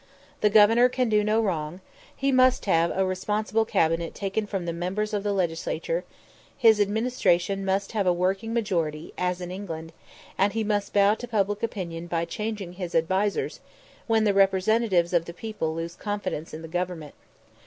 The Governor can do no wrong he must have a responsible cabinet taken from the members of the Legislature his administration must have a working majority, as in England and he must bow to public opinion by changing his advisers, when the representatives of the people lose confidence in the Government.